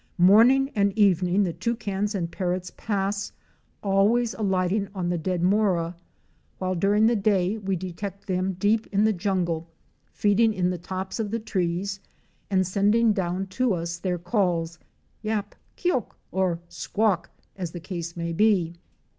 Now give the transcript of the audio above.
Morning and evening the Toucans and Parrots pass, A GOLD MINE IN THE WILDERNESS. 175 always alighting on the dead Mora, while during the day we detect them deep in the jungle, feeding in the tops of the trees and sending down to us their calls, yap!, kiok! or squawk! as the case may be.